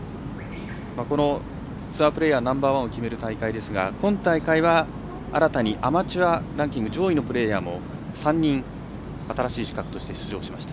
ツアープレーヤーナンバーワンを決める大会ですが今大会は、新たにアマチュアランキング上位のプレーヤーも３人、新しい資格として出場しました。